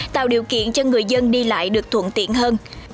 tạo điều kiện cho người dân đi lại được thuận tiện hơn